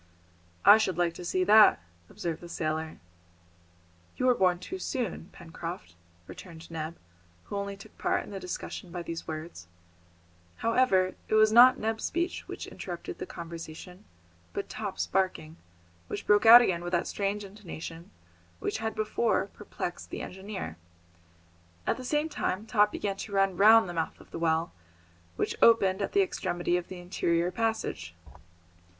"I should like to see that," observed the sailor. "You were born too soon, Pencroft," returned Neb, who only took part in the discussion by these words. However, it was not Neb's speech which interrupted the conversation, but Top's barking, which broke out again with that strange intonation which had before perplexed the engineer. At the same time Top began to run round the mouth of the well, which opened at the extremity of the interior passage.